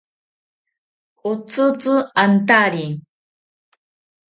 Otsitzi antari.